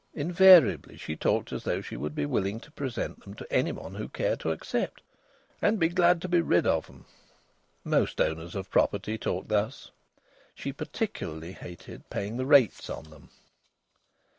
Invariably she talked as though she would willingly present them to anybody who cared to accept "and glad to be rid of 'em!" Most owners of property talk thus. She particularly hated paying the rates on them.